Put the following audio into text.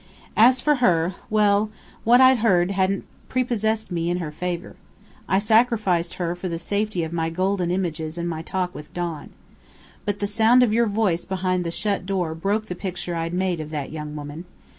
"As for her well, what I'd heard hadn't prepossessed me in her favour. I sacrificed her for the safety of my golden images and my talk with Don. But the sound of your voice behind the shut door broke the picture I'd made of that young woman.